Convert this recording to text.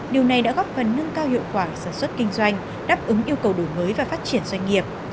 điều này đã góp phần nâng cao hiệu quả sản xuất kinh doanh đáp ứng yêu cầu đổi mới và phát triển doanh nghiệp